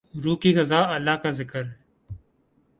روح کی غذا اللہ کا ذکر ہے